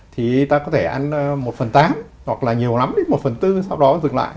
thì ta có thể ăn một phần tám hoặc là nhiều lắm đến một phần tư sau đó dừng lại